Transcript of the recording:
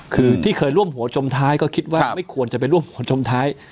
คือที่เคยร่วมหัวจมท้ายก็คิดว่าไม่ควรจะไปร่วมหัวจมท้าย